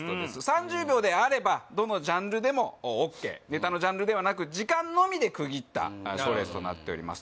３０秒であればどのジャンルでもＯＫネタのジャンルではなく時間のみで区切った賞レースとなっております